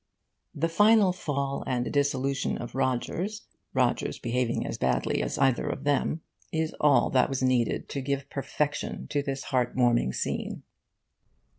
The final fall and dissolution of Rogers, Rogers behaving as badly as either of them, is all that was needed to give perfection to this heart warming scene.